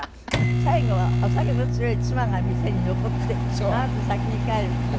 最後はお酒の強い妻が店に残ってあなた先に帰るんだって？